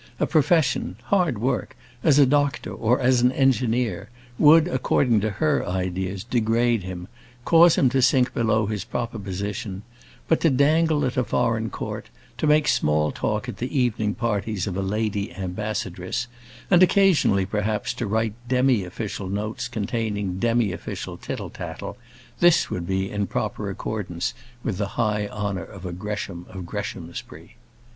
A profession hard work, as a doctor, or as an engineer would, according to her ideas, degrade him; cause him to sink below his proper position; but to dangle at a foreign court, to make small talk at the evening parties of a lady ambassadress, and occasionally, perhaps, to write demi official notes containing demi official tittle tattle; this would be in proper accordance with the high honour of a Gresham of Greshamsbury.